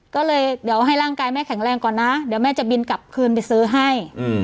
ก็เลยเดี๋ยวให้ร่างกายแม่แข็งแรงก่อนนะเดี๋ยวแม่จะบินกลับคืนไปซื้อให้